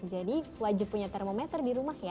jadi wajib punya termometer di rumah ya